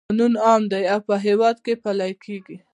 قانون عام دی او په هیواد پلی کیږي.